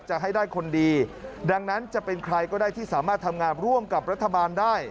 จะให้ได้คนดีดังนั้นจะเป็นใครก็ได้ที่สามารถทำงานร่วมกับรัฐบาลได้